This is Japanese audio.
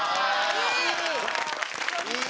いい！